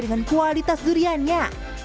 sama dengan kualitas duriannya